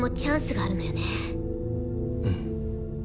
うん。